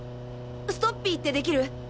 ストッピーって出来る？